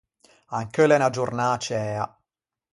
Ancheu l’é unna giornâ ciæa.